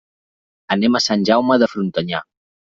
Anem a Sant Jaume de Frontanyà.